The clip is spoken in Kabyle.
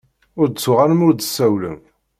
Ur d-tuɣalem ur d-tsawlem.